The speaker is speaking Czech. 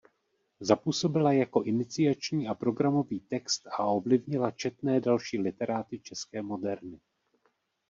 Zapůsobila jako iniciační a programový text a ovlivnila četné další literáty české moderny.